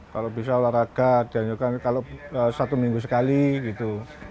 kalau bisa olahraga jadikan kalau satu minggu sekali gitu